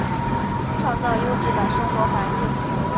创造优质生活环境